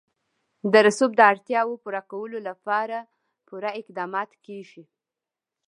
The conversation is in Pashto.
د رسوب د اړتیاوو پوره کولو لپاره پوره اقدامات کېږي.